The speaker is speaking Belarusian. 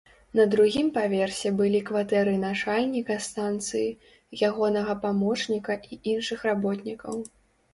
На другім паверсе былі кватэры начальніка станцыі, ягонага памочніка і іншых работнікаў.